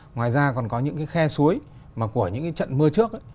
ngoài ra còn có những khe suối của những trận mưa trước